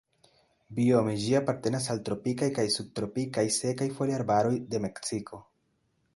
Biome ĝi apartenas al tropikaj kaj subtropikaj sekaj foliarbaroj de Meksiko.